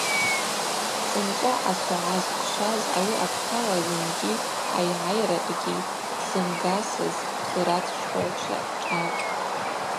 Сынчӏва асогӏа зквшваз ауи апхъала зынгьи айгӏайракӏгьи тзымгасыз суратчпагӏвчва шӏапӏ.